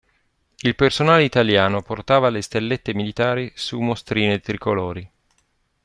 Il personale italiano portava le stellette militari su mostrine tricolori.